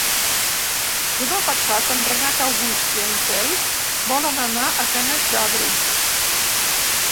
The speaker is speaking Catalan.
Demà passat en Renat August i en Quel volen anar a Canet d'Adri.